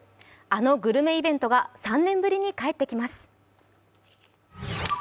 あのグルメイベントが３年ぶりに帰ってきます。